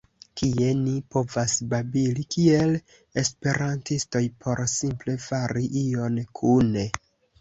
kie ni povas babili kiel esperantistoj por simple fari ion kune.